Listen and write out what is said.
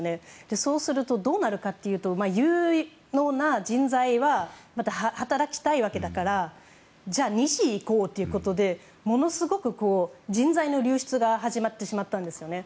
そうすると、どうなるかというと有能な人材は働きたいわけだからじゃあ西行こうということでものすごく人材の流出が始まってしまったんですね。